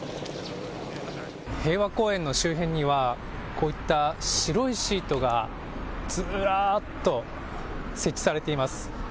平和公園の周辺には、こういった白いシートがずらーっと設置されています。